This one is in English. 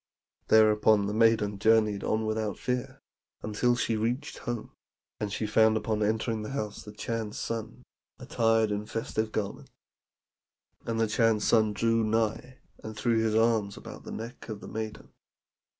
"Thereupon the maiden journeyed on without fear until she reached home; and she found upon entering the house the Chan's son, attired in festive garments. And the Chan's son drew nigh, and threw his arms about the neck of the maiden."